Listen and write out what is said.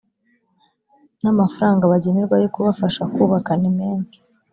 n amafaranga bagenerwa yo kubafasha kubaka nimenshi